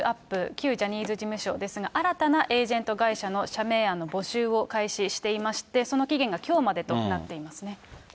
旧ジャニーズ事務所ですが、新たなエージェント会社の社名案の募集を開始していまして、その期限がきょうまでとなっていますね。